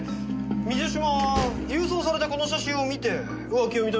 水嶋は郵送されたこの写真を見て浮気を認めたんですよね？